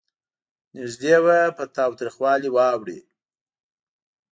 نږدې وه په تاوتریخوالي واوړي.